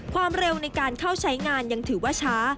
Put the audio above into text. ความเร็วในการเข้าใช้งานยังถือว่าช้า